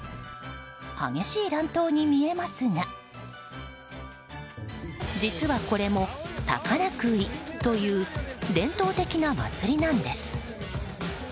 激しい乱闘に見えますが実は、これもタカナクイという伝統的な祭りなんです。